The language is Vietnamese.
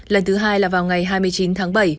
lần thứ hai là vào ngày hai mươi chín tháng bảy